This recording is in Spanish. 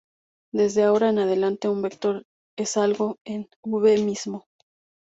Desde ahora en adelante, un vector es algo en "V" mismo.